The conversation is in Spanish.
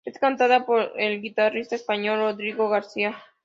Es cantada por el guitarrista español Rodrigo García.